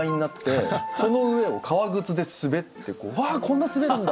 その上を革靴で滑って「わあこんな滑るんだ！」